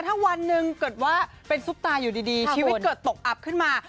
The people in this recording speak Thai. ถ้าวันหนึ่งเกิดว่าเป็นซุปตาอยู่ดีชีวิตเกิดตกอับขึ้นมา